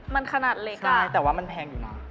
มันขนาดเล็กแต่ว่ามันแพงอยู่นะ